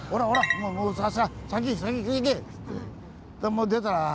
もう出たらあぁ。